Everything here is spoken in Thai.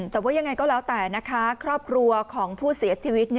แต่ว่ายังไงก็แล้วแต่นะคะครอบครัวของผู้เสียชีวิต